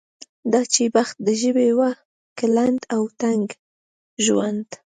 دا چې بخت د ژبې و که د لنډ و تنګ ژوند.